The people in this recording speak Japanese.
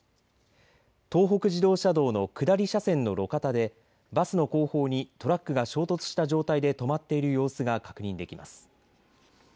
東北自動車道の下り車線の路肩でバスの後方にトラックが衝突した状態で止まっている様子が確認できます。